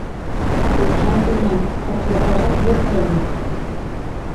Үлһәм үләм, Ҡотлобайға бирмәйем!